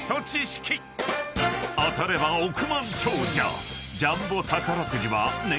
［当たれば億万長者］